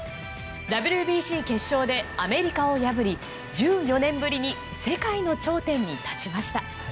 ＷＢＣ決勝でアメリカを破り１４年ぶりに世界の頂点に立ちました。